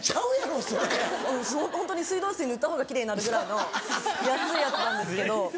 ホントに水道水塗ったほうが奇麗になるぐらいの安いやつなんですけど。